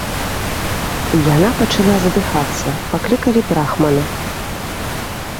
Яна пачала задыхацца, паклікалі брахмана.